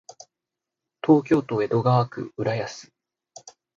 東京都江戸川区浦安